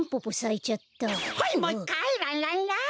はいもういっかいランランラン！